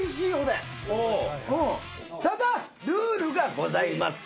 ただルールがございます。